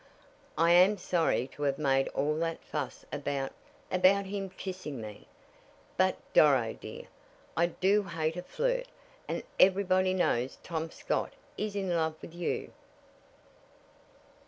"I am sorry to have made all that fuss about about him kissing me. But, Doro, dear, I do hate a flirt, and everybody knows Tom Scott is in love with you."